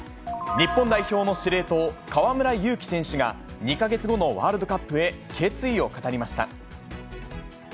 日本代表の司令塔、河村勇輝選手が、２か月後のワールドカップへ、決意を語りました。